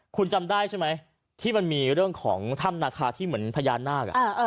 คุณจำได้ใช่ไหมที่มันมีเรื่องของถ้ำนาคาที่เหมือนพญานาค